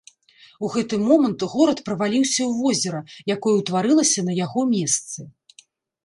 У гэты момант горад праваліўся ў возера, якое ўтварылася на яго месцы.